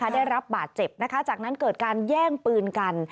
ได้รับบาดเจ็บจากนั้นเกิดการแย่งปืนกัน